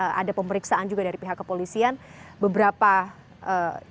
dan setelah ada pemeriksaan juga dari pihak kepolisian beberapa celah jendela ini kemudian diangkat